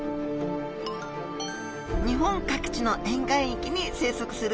日本各地の沿岸域に生息するマアジちゃん。